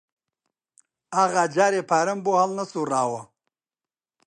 ئاغا جارێ پارەم بۆ هەڵنەسووڕاوە